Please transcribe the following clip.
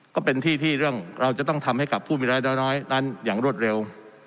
ก็เป็นที่ที่เรื่องเราจะต้องทำให้กับผู้มีรายได้น้อยนั้นอย่างรวดเร็ว